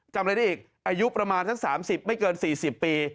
จำอะไรได้อีกอายุประมาณสัก๓๐ไม่เกิน๔๐ปี